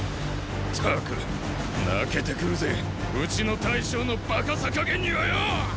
ったく泣けてくるぜうちの大将のバカさ加減にはよォ！